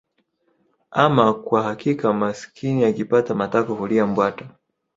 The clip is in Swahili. Ama kwa hakika maskini akipata matako hulia mbwata